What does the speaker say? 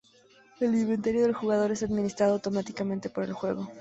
El inventario del jugador es administrado automáticamente por el juego.